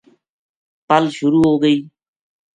پل شروع ہوگئی